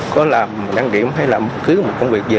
có làm đăng điểm hay làm cứ một công việc gì